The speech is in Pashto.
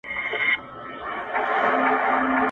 يو په بل يې ښخول تېره غاښونه!.